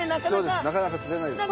なかなか釣れないですね。